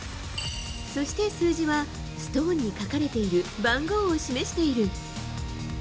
そして数字は、ストーンに書かれている番号を示している。